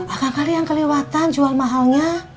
akang kali yang kelewatan jual mahalnya